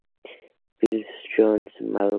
Fields, Al Jolson y Mae West.